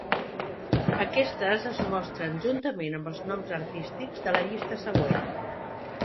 Aquestes es mostren juntament amb els noms artístics de la llista següent.